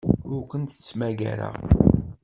Ur kent-ttmagareɣ.